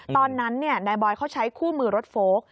ตอนนั้นนายบอยเขาใช้คู่มือรถโฟลก